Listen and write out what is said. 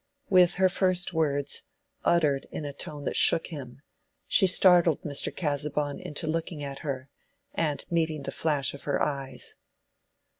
With her first words, uttered in a tone that shook him, she startled Mr. Casaubon into looking at her, and meeting the flash of her eyes.